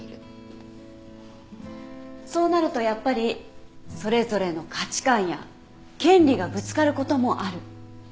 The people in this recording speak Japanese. そうなるとやっぱりそれぞれの価値観や権利がぶつかることもある。